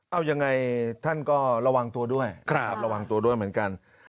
เอายังไงท่านก็ระวังตัวด้วยระวังตัวด้วยเหมือนกัน